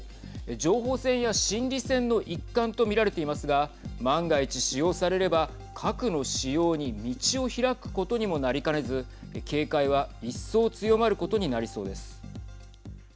情報戦や心理戦の一環と見られていますが万が一使用されれば核の使用に道を開くことにもなりかねず警戒は一層強まることになりそうです。